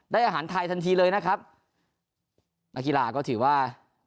อาหารไทยทันทีเลยนะครับนักกีฬาก็ถือว่า